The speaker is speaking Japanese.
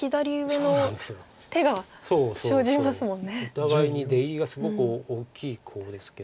お互いに出入りがすごく大きいコウですけど。